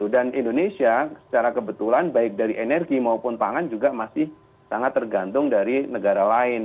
dan indonesia secara kebetulan baik dari energi maupun pangan juga masih sangat tergantung dari negara lain